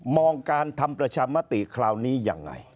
งการทำประชามติคราวนี้ยังไง